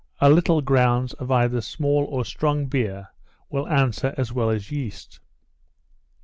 A little grounds of either small or strong beer, will answer as well as yeast.